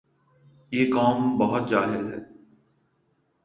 یہ قوم بہت جاہل ھے